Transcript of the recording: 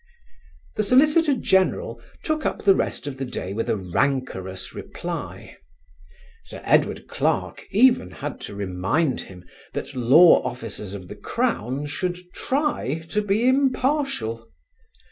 The Solicitor General took up the rest of the day with a rancorous reply. Sir Edward Clarke even had to remind him that law officers of the Crown should try to be impartial.